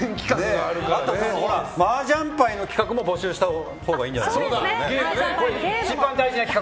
あと、マージャン牌の企画も募集したほうがいいんじゃない？